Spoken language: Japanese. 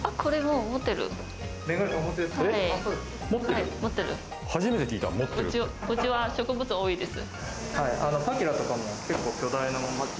うちは植物、多いです。